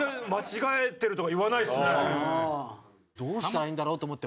どうしたらいいんだろうと思って。